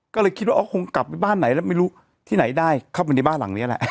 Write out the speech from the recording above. ก็เลยคิดว่าอ๋อคงกลับไปบ้านไหนแล้วไม่รู้ที่ไหนได้เข้าไปในบ้านหลังนี้แหละ